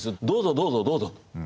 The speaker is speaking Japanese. どうぞどうぞどうぞ。